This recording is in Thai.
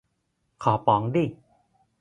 ขอป๋องดิ